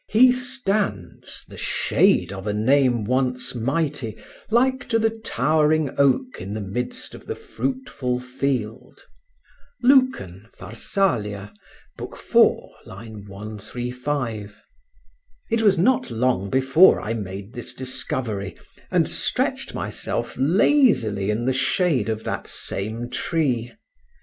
he stands, the shade of a name once mighty, Like to the towering oak in the midst of the fruitful field." (Lucan, "Pharsalia," IV, 135.) It was not long before I made this discovery, and stretched myself lazily in the shade of that same tree.